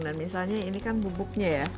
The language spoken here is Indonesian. dan misalnya ini kan bubuknya ya